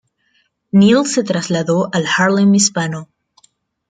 Neel se trasladó al Harlem Hispano.